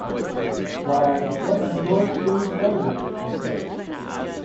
‘Why, what are your shoes done with?’ it said.